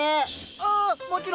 ああもちろん。